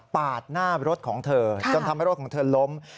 หน้ารถของเธอจนทำให้รถของเธอล้ม